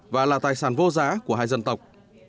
và là tài sản vô giá của hai dân tộc